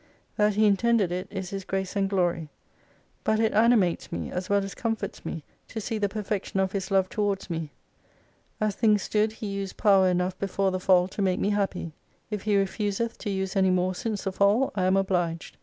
That He intended it, is His grace and glory. But it animates me, as well as comforts me, to see the perfection of His Love towards me. As things stood. He used power enough before the faU to make me happy. If He refuseth to use any more since the fall, I am obliged.